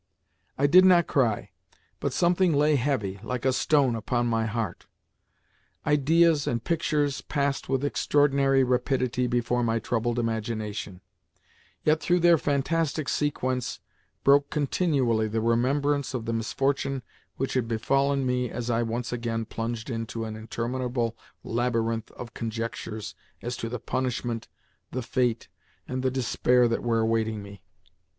I did not cry, but something lay heavy, like a stone, upon my heart. Ideas and pictures passed with extraordinary rapidity before my troubled imagination, yet through their fantastic sequence broke continually the remembrance of the misfortune which had befallen me as I once again plunged into an interminable labyrinth of conjectures as to the punishment, the fate, and the despair that were awaiting me.